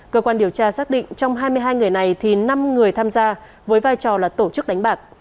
cơ quan điều tra xác định trong hai mươi hai người này thì năm người tham gia với vai trò là tổ chức đánh bạc